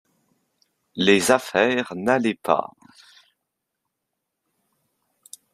les affaires n'allaient pas.